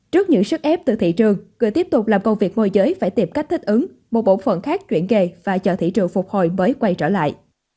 trước những sức ép từ thị trường người tiếp tục làm công việc môi giới phải tìm cách thích ứng một bộ phận khác chuyển về và chợ thị trường phục hồi mới quay trở lại